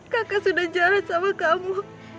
kakak sudah jarod sama kamu